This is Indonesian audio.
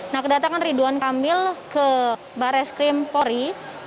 nah kedatangan ridwan kamil ke barres krim pori